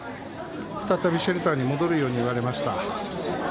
再びシェルターに戻るよう言われました。